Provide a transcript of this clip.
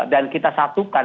dan kita satukan